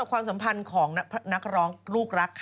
สำหรับสัมพันธ์ของนักรองลูกรัก